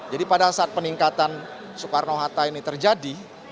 jadi pada saat peningkatan soekarno hatta ini terjadi